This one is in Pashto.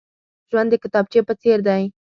ژوند د کتابچې په څېر دی.